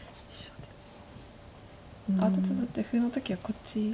取って取って歩の時はこっち。